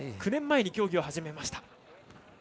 ９年前に競技を始めました。